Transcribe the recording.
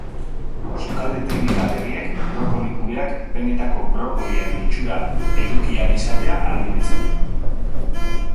Sukalde teknika berriek brokoli pureak benetako brokoliaren itxura eduki ahal izatea ahalbidetzen du.